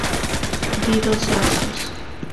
Guido Saltos.